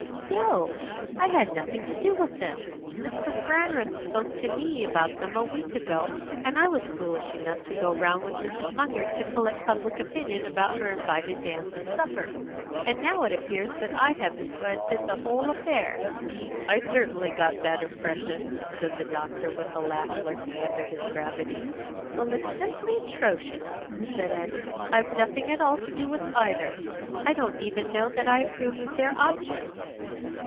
"No. I've had nothing to do with them. Mr. Brandreth spoke to me about them a week ago, and I was foolish enough to go round with Mrs. Munger to collect public opinion about her invited dance and supper; and now it appears that I have invented the whole affair." "I certainly got that impression," said the doctor, with a laugh lurking under his gravity. "Well, it's simply atrocious," said Annie. "I've nothing at all to do with either. I don't even know that I approve of their object."